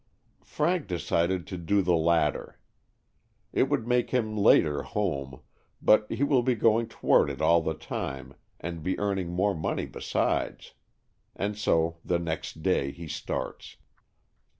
Frank decided to do the latter. It would make him later home, but he will be going toward it all the time and be earn ing more money besides; and so the next day he starts.